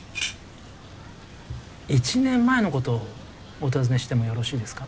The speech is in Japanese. １年前の事をお尋ねしてもよろしいですか？